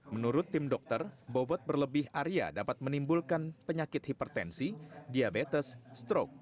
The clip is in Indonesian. menurut tim dokter bobot berlebih arya dapat menimbulkan penyakit hipertensi diabetes stroke